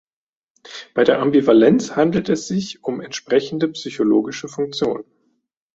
Bei der Ambivalenz handelt es sich um entsprechende psychologische Funktionen.